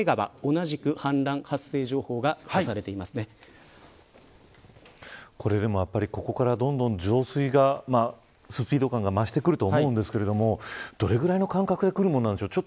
同じく、氾濫発生情報がこれでもここからどんどん増水がスピード感が増してくると思うんですけどどれぐらいの間隔でくるものなんでしょうか。